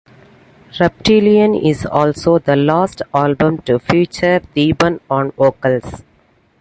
"Reptilian" is also the last album to feature Thebon on vocals.